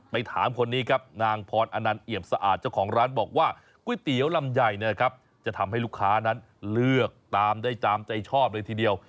ถามคนนี้ครับนางพรอนันต์เอี่ยมสะอาดเจ้าของร้านบอกว่าก๋วยเตี๋ยวลำไยเนี่ยครับจะทำให้ลูกค้านั้นเลือกตามได้ตามใจชอบเลยทีเดียว